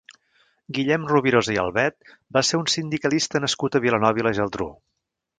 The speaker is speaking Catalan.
Guillem Rovirosa i Albet va ser un sindicalista nascut a Vilanova i la Geltrú.